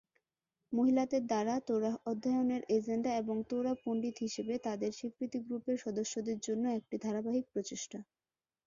মহিলাদের দ্বারা তোরাহ অধ্যয়নের এজেন্ডা এবং তোরা পণ্ডিত হিসাবে তাদের স্বীকৃতি গ্রুপের সদস্যদের জন্য একটি ধারাবাহিক প্রচেষ্টা।